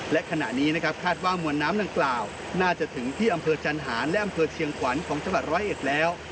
และขณะนี้นะครับคาดว่ามวลน้ำดังกล่าวน่าจะถึงที่อำเภอจันหารและอำเภอเชียงขวัญของจังหวัดร้อยเอ็ดแล้ว